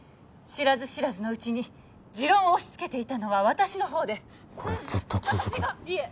知らず知らずのうちに持論を押しつけていたのは私のほうでこれずっと続くの？